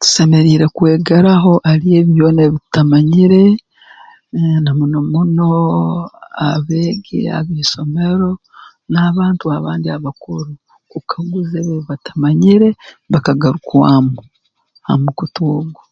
Tusemeriire kwegeraho hali ebi byona ebi tutamanyire na muno muno abeegi ab'isomero n'abantu abandi abakuru kukaguza ebi ebibatamanyire bakagarukwamu ha mukutu ogu